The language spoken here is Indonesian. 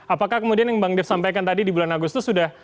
apakah kemudian yang bang dev sampaikan tadi di bulan agustus sudah